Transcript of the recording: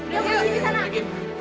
yuk yuk yuk